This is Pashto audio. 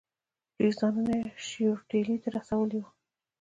دوی ځان یې شیورتیلي ته رسولی وو.